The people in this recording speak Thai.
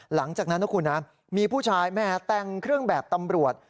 หลังจากนั้นนะคุณนะมีผู้ชายแม่แต่งเครื่องแบบตำรวจ